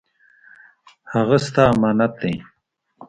هغه ستا امانت دی